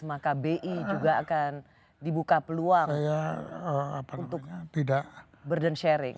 maka bi juga akan dibuka peluang untuk burden sharing